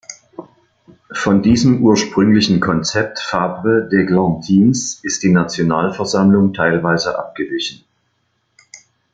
Von diesem ursprünglichen Konzept Fabre d’Églantines ist die Nationalversammlung teilweise abgewichen.